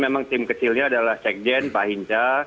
memang tim kecilnya adalah cek jen pak hinca